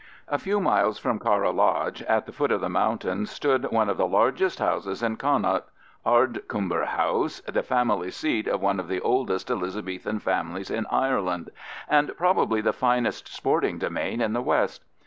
A few miles from Carra Lodge, at the foot of the mountains, stood one of the largest houses in Connaught, Ardcumber House, the family seat of one of the oldest Elizabethan families in Ireland, and probably the finest sporting demesne in the west.